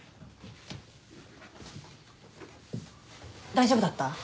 大丈夫だった？